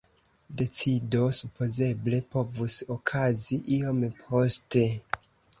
Decido supozeble povus okazi iom poste.